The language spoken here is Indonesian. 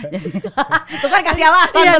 itu kan kasih alasan